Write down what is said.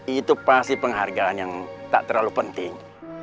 itu pasti penghargaan yang tak terlalu penting